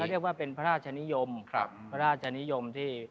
เรียกว่าเป็นพระราชนิยมพระราชนิยมที่